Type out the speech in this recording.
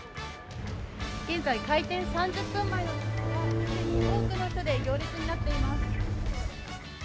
現在、開店３０分前ですが、既に多くの人で行列になっています。